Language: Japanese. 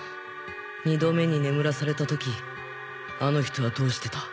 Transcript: ２度目に眠らされた時あの人はどうしてた？